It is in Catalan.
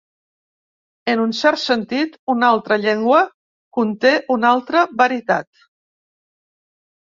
En un cert sentit, una altra llengua conté una altra veritat.